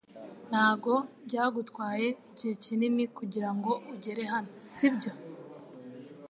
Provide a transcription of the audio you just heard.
Ntabwo byagutwaye igihe kinini kugirango ugere hano sibyo